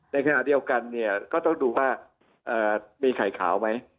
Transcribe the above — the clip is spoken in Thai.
ในขณะเดียวกันเนี่ยก็ต้องดูว่ามีไข่ขาวไหม